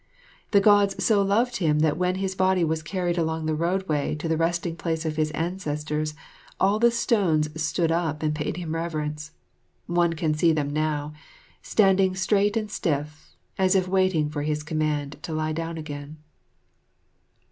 The Gods so loved him that when his body was carried along the road way to the Resting place of his Ancestors, all the stones stood up to pay him reverence. One can see them now, standing straight and stiff, as if waiting for his command to lie down again.